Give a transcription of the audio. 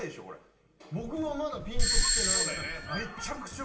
これ僕はまだピンときてないです